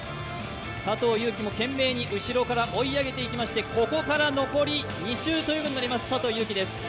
佐藤悠基も懸命に後ろから追い上げていきましてここから残り２周になります、佐藤悠基です。